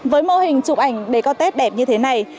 với mô hình chụp ảnh để có tết đẹp như thế này